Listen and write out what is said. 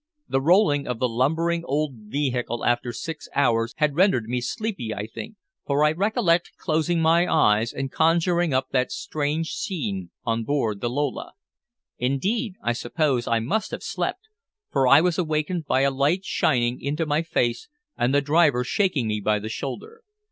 The rolling of the lumbering old vehicle after six hours had rendered me sleepy, I think, for I recollect closing my eyes and conjuring up that strange scene on board the Lola. Indeed, I suppose I must have slept, for I was awakened by a light shining into my face and the driver shaking me by the shoulder.